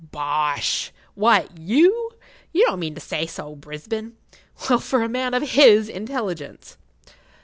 "Bosh! What, you? You don't mean to say so, Brisbane? Well, for a man of his intelligence!"